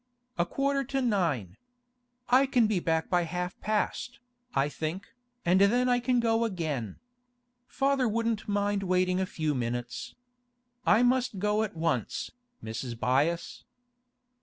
A quarter to nine. I can be back by half past, I think, and then I can go again. Father wouldn't mind waiting a few minutes. I must go at once, Mrs. Byass.